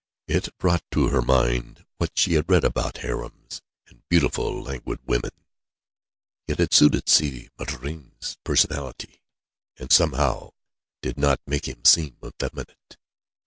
It brought to her mind what she had read about harems, and beautiful, languid women, yet it suited Si Maïeddine's personality, and somehow did not make him seem effeminate.